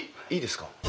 いいですか？